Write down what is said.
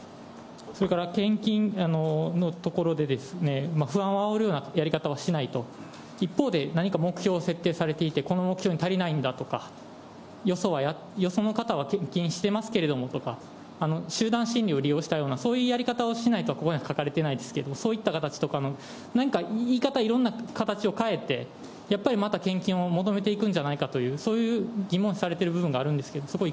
それから献金のところで、不安をあおるようなやり方はしないと、一方で何か目標を設定されていて、この目標に足りないんだとか、よその方は献金してますけどとか、集団心理を利用したような、そういうやり方をしないと、ここには書かれていないですけれども、そういった形とかの何か言い方、いろんな形を変えて、やっぱりまた、献金を求めていくんじゃないかという、そういう疑問視されている部分があるんですけど、そこ、